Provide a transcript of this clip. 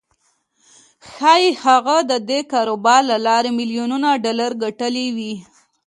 ښايي هغه د دې کاروبار له لارې ميليونونه ډالر ګټلي وي.